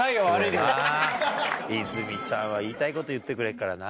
泉ちゃんは言いたいこと言ってくれるからな。